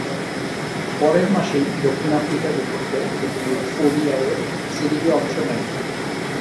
পরের মাসেই দক্ষিণ আফ্রিকার বিপক্ষে তিনটি ওডিআইয়ের সিরিজে অংশ নেন।